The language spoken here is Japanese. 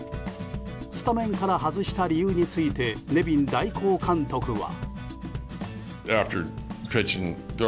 スタメンから外した理由についてネビン監督代行は。